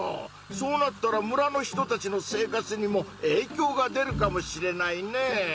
そうなったら村の人たちの生活にもえいきょうが出るかもしれないねぇ。